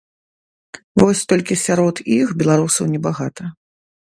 Вось толькі сярод іх беларусаў небагата.